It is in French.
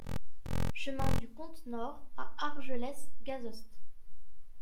Chemin du Comte Nord à Argelès-Gazost